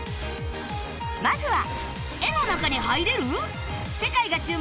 まずは